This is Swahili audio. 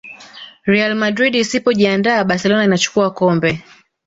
real madrid isipojiandaa barcelona inachukua kombe